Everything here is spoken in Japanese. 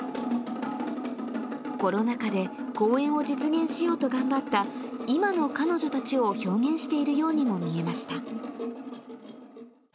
コロナ禍で、公演を実現しようと頑張った今の彼女たちを表現しているようにも見えました。